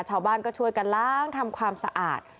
ชาวบ้านก็ช่วยกันล้างทำความสะอาด